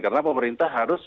karena pemerintah harus